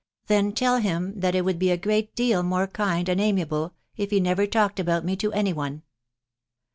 " Then tell him that it would be a great deal more kind1 and amiable if he never agatn talked about me to any one."